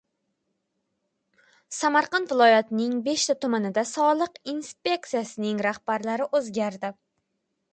Samarqand viloyatining beshta tumanida soliq inspeksiyasi rahbarlari o‘zgardi